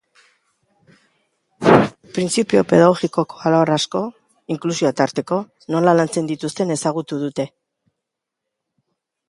Printzipio pedagogikoko alor asko, inklusioa tarteko, nola lantzen dituzten ezagutu dute.